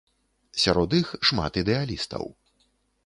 Сярод іх шмат ідэалістаў.